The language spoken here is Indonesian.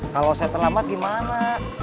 kalau saya terlambat gimana